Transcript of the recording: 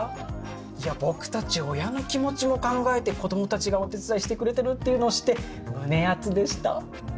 いや僕たち親の気持ちも考えて子どもたちがお手伝いしてくれてるっていうのを知って胸アツでした。